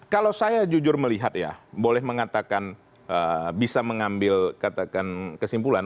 kalau saya jujur melihat ya boleh mengatakan bisa mengambil katakan kesimpulan